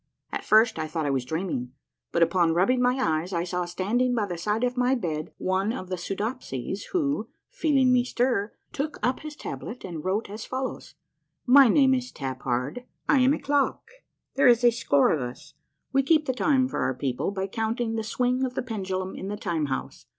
At first I thought I was dreaming, but, upon rubbing my eyes, I saw standing by the side of my bed one of the Soodopsies who, feeling me stir, took up his tablet and wrote as follows :—" My name is Tap Hard. I am a clock. There is a score of us. We keep the time for our people by counting the swing of the pendulum in the Time House.